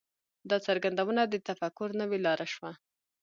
دا څرګندونه د تفکر نوې لاره شوه.